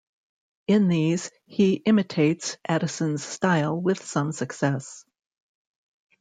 In these he imitates Addison's style with some success.